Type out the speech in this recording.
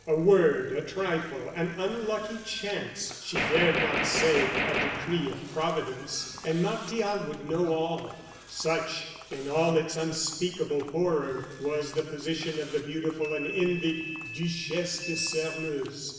A word, a trifle, an unlucky chance she dared not say "a decree of Providence," and Martial would know all. Such, in all its unspeakable horror, was the position of the beautiful and envied Duchesse de Sairmeuse.